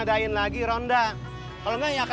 ada yang gayak